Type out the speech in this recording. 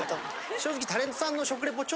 正直。